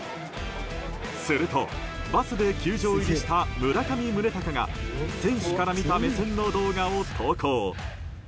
すると、バスで球場入りした村上宗隆が選手から見た目線の動画を投稿。